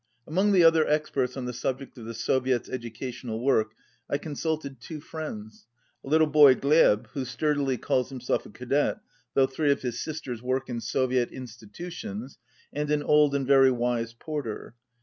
Among the other experts on the subject of the Soviet's educational work I consulted two friends, a little boy, Glyeb, who sturdily calls himself a Cadet though three of his sisters work in Soviet institutions, and an old and very wise porter.